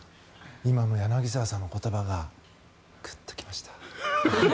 今の柳澤さんの言葉がグッときました。